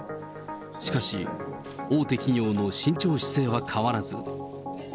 しかし、大手企業の慎重姿勢は変わらず。